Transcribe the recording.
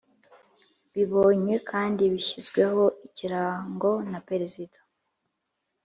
Bibonywe kandi bishyizweho Ikirango na perezida